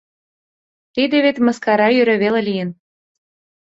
— Тиде вет мыскара йӧре веле лийын.